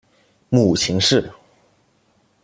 母秦氏。